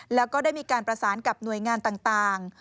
แล้วก็ได้มีการประสานกับหน่วยงานต่าง